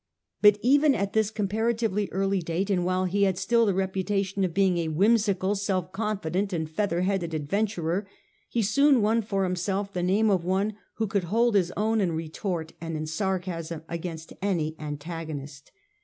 But even at this comparatively early date, and while he had still the reputation of being a whimsical, self confident and feather headed adventurer, he soon won for himself the name of one who could hold his own in retort and in sarcasm against any antagonist.